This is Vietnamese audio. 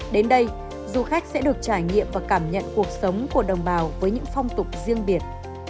đến đây du khách sẽ được trải nghiệm và cảm nhận cuộc sống của đồng bào với những phong tục riêng biệt